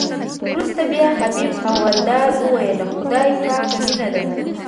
وروسته بیا حبیب حوالدار ویل خدای پاک مینه ده.